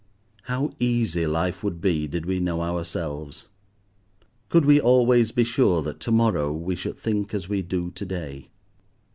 How easy life would be did we know ourselves. Could we always be sure that to morrow we should think as we do to day.